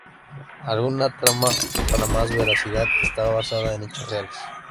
Alguna trama, para más veracidad, estaba basada en hechos reales.